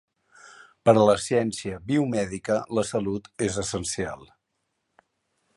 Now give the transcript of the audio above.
Per a la ciència biomèdica, la salut és essencial.